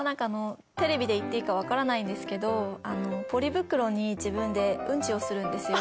テレビで言っていいかわからないんですけどポリ袋に自分でうんちをするんですよ